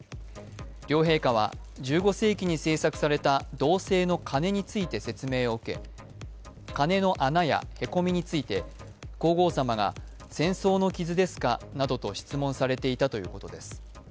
両陛下は、１５世紀に製作された銅製の鐘について説明を受け鍵の穴やへこみについて皇后さまが、戦争の傷ですかなどと質問されていたということです。